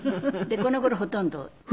でこの頃ほとんどねえ。